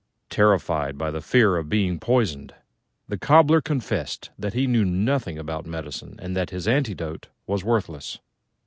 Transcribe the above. Terrified by the fear of being poisoned, the Cobbler confessed that he knew nothing about medicine, and that his antidote was worthless.